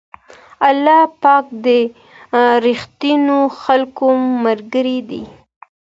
الله پاک د رښتينو خلکو ملګری دی.